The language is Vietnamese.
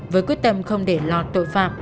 với quyết tâm không để lọt tội phạm